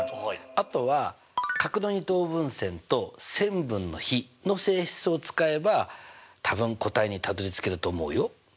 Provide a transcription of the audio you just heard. あとは角の二等分線と線分の比の性質を使えば多分答えにたどりつけると思うよ？